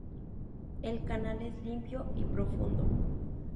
El canal es limpio y profundo.